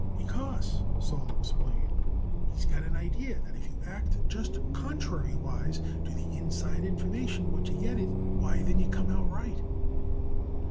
"Because," Sol explained, "he's got an idee that if you act just contrariwise to the inside information what you get it, why then you come out right."